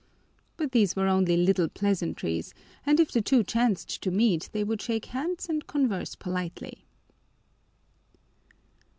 But these were only little pleasantries, and if the two chanced to meet they would shake hands and converse politely.